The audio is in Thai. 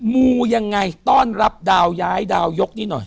มูยังไงต้อนรับดาวย้ายดาวยกนี้หน่อย